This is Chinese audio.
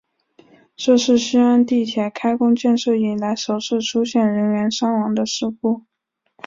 这是西安地铁开工建设以来首次出现人员伤亡的事故。